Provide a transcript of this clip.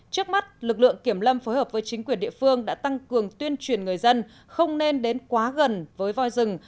trước mắt lực lượng kiểm lâm phối hợp với chính quyền địa phương đã tăng cường tuyên truyền người dân không nên đến quá gần với voi rừng